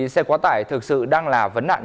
xe quá tải thực sự đang là vấn nạn